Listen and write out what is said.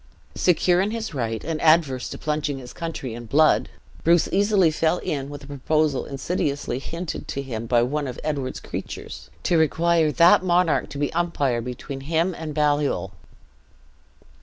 Secure in his right, and averse to plunging his country in blood, Bruce easily fell in with a proposal insidiously hinted to him by one of Edward's creatures 'to require that monarch to be umpire between him and Baliol.'